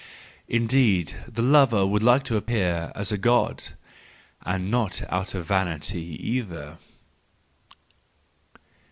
Indeed, the lover would like to appear as a God,— and not out of vanity either.